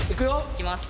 いきます。